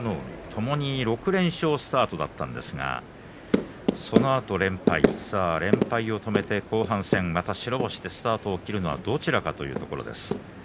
ともに６連勝スタートだったんですがそのあと５連敗、連敗を止めて白星でスタートを切るのはどちらかというところです。